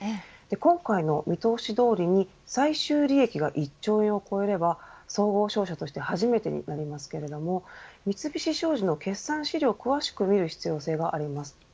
今回の見通しどおりに最終利益が１兆円を越えれば総合商社として初めてになりますが三菱商事の決算資料を詳しく見る必要性があります。